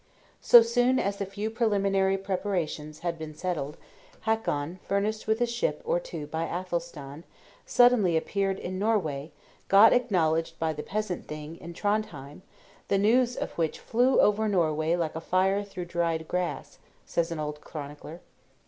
So soon as the few preliminary preparations had been settled, Hakon, furnished with a ship or two by Athelstan, suddenly appeared in Norway got acknowledged by the Peasant Thing in Trondhjem "the news of which flew over Norway, like fire through dried grass," says an old chronicler.